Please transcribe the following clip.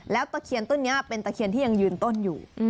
แล้วตะเคียนต้นนี้เป็นตะเคียนที่ยังยืนต้นอยู่